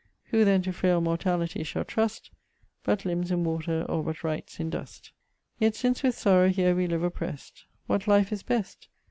Who then to fraile mortality shall trust But limmes in water or but writes in dust. Yet since with sorrow here we live opprest, What life is best?